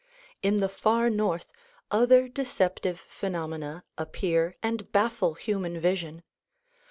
In the far north other deceptive phenomena appear and baffle human vision.